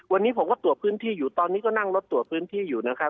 วันนี้ผมก็ตรวจพื้นที่อยู่ตอนนี้ก็นั่งรถตรวจพื้นที่อยู่นะครับ